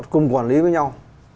cùng quản lý với nhau